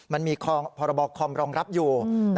มันมีพรบคอมรองรับอยู่